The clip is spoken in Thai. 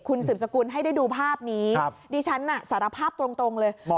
คุณสืบสกุลให้ได้ดูภาพนี้ดิฉันน่ะสารภาพตรงเลย